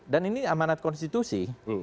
dan ini amanat konstitusi